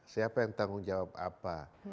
siapa yang tanggung jawab apa